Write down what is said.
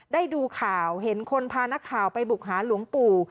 ได้ดูข่าวเห็นคนพานักข่าวไปบุกหาหลวงปู่